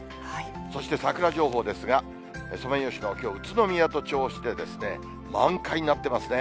そして桜情報ですが、ソメイヨシノ、きょう、宇都宮と銚子で満開になっていますね。